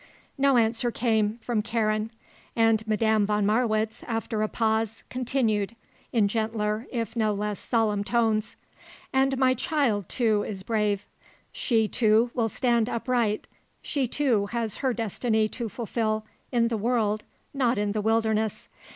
No answer came, from Karen and Madame von Marwitz, after a pause, continued, in gentler, if no less solemn tones: "And my child, too, is brave. She, too, will stand upright. She, too, has her destiny to fulfil in the world not in the wilderness.